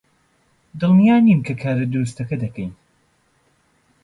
دڵنیا نیم کە کارە دروستەکە دەکەین.